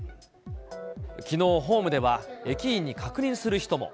きのうホームでは、駅員に確認する人も。